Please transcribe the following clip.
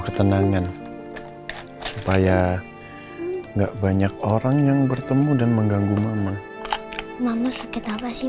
ketenangan supaya enggak banyak orang yang bertemu dan mengganggu mama mama sakit apa sih